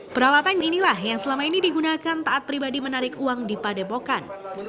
peralatan inilah yang selama ini digunakan taat pribadi menarik uang di padepokan